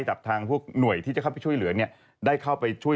ซึ่งตอน๕โมง๔๕นะฮะทางหน่วยซิวได้มีการยุติการค้นหาที่